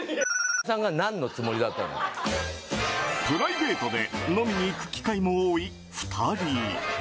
プライベートで飲みに行く機会も多い２人。